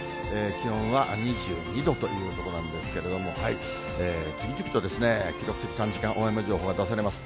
気温は２２度というところなんですけれども、次々と記録的短時間大雨情報が出されます。